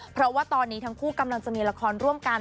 เพราะว่าตอนนี้ทั้งคู่กำลังจะมีละครร่วมกัน